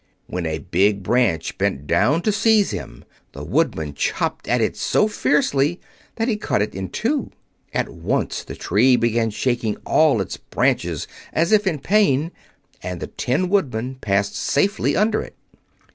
When a big branch bent down to seize him the Woodman chopped at it so fiercely that he cut it in two. At once the tree began shaking all its branches as if in pain, and the Tin Woodman passed safely under it.